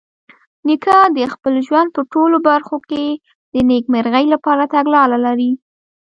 نیکه د خپل ژوند په ټولو برخو کې د نیکمرغۍ لپاره تګلاره لري.